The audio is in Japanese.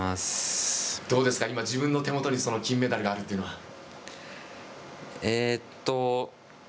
どうですか今、自分の手元に金メダルがあるというのは。